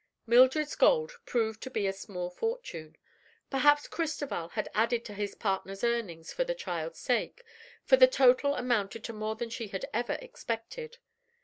———— Mildred's gold proved to be a small fortune. Perhaps Cristoval had added to his partner's earnings, for the child's sake, for the total amounted to more than she had ever expected.